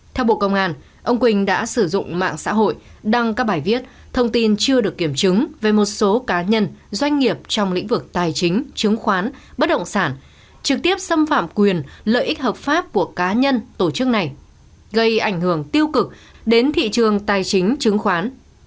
theo bộ công an ông quỳnh đã sử dụng mạng xã hội đăng các bài viết thông tin chưa được kiểm chứng về một số cá nhân doanh nghiệp trong lĩnh vực tài chính chứng khoán bất động sản trực tiếp xâm phạm quyền lợi ích hợp pháp của cá nhân tổ chức này gây ảnh hưởng tiêu cực đến thị trường tài chính chứng khoán